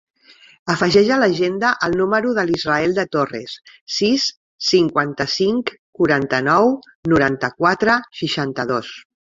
Afegeix a l'agenda el número de l'Israe De Torres: sis, cinquanta-cinc, quaranta-nou, noranta-quatre, seixanta-dos.